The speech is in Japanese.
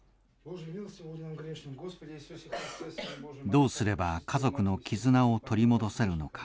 どうすれば家族の絆を取り戻せるのか。